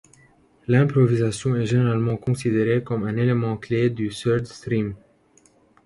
L'improvisation est généralement considérée comme un élément clef du Third Stream.